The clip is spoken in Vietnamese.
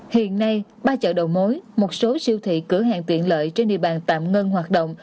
hiện nay ba chợ đầu mối một số siêu thị cửa hàng tiện lợi trên địa bàn tạm ngưng hoạt động